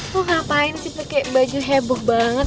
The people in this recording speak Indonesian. lu ngapain sih pake baju heboh banget